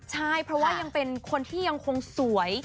ใช่เพราะว่ายังเป็นคนที่ยังคงสวย